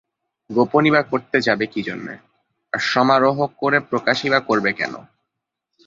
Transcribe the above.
গোপনই বা করতে যাবে কী জন্যে, আর সমারোহ করে প্রকাশই বা করবে কেন।